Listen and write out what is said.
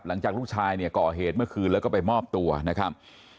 หลังจากลูกชายเนี่ยก่อเหตุเมื่อคืนแล้วก็ไปมอบตัวนะครับ